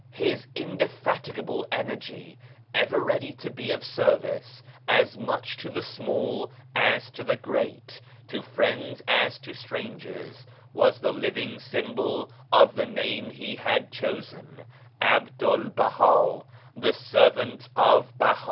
His indefatigable energy, ever ready to be of service, as much to the small as to the great, to friends as to strangers, was the living symbol of the name he had chosen, 'Abdu'1 Baha, the Servant of Baha.